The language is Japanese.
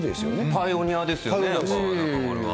パイオニアですよね、中丸は。